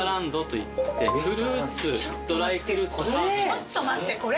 ちょっと待ってこれ。